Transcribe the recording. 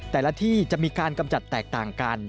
แต่ละที่จะมีการกำจัดแตกต่างกัน